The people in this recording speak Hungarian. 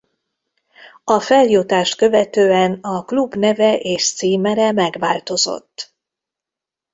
A feljutást követően a klub neve és címere megváltozott.